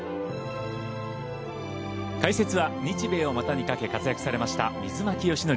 解説は日米を股にかけ活躍されました水巻善典